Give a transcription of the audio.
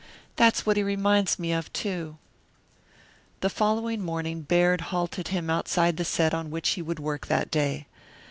That's what he reminds me of, too." The following morning Baird halted him outside the set on which he would work that day.